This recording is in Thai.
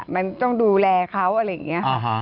มันต้องดูแลเขาอะไรอย่างนี้ค่ะ